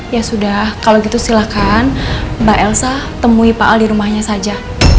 ya sudah kalau gitu silakan mbak elsa temui pak al di rumahnya saja